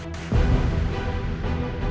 tidak kita harus ke dapur